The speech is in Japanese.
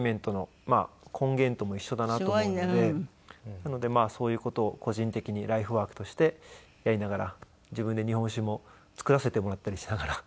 なのでそういう事を個人的にライフワークとしてやりながら自分で日本酒も造らせてもらったりしながら。